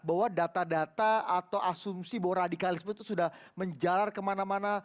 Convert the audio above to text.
bahwa data data atau asumsi bahwa radikalisme itu sudah menjalar kemana mana